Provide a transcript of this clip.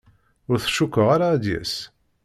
Ur t-cukkeɣ ara ad d-yas.